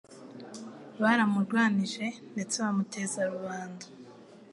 baramurwanije ndetse bamuteza rubanda.